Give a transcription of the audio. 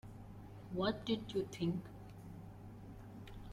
What did you think?